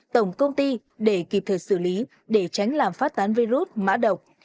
tổng công ty để kịp thời xử lý để tránh làm phát tán virus mã độc